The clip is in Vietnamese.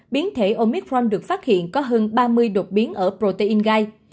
biến thể omitform được phát hiện có hơn ba mươi đột biến ở protein gai